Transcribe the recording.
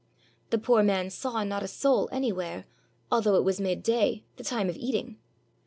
The poor man saw not a soul anywhere, although it was midday, the timxC of eating.